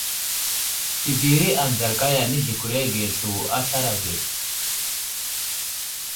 Təbiri anzal kaya, nəzlekwerge slu a aslar age.